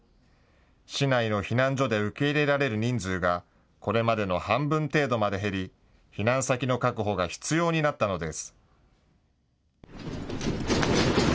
市内の避難所で受け入れられる人数がこれまでの半分程度まで減り避難先の確保が必要になったのです。